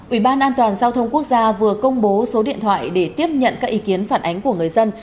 ủy ban an toàn giao thông quốc gia vừa công bố số điện thoại để tiếp nhận các ý kiến phản ánh của người dân